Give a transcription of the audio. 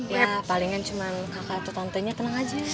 ya palingan cuma kakak atau tantenya tenang aja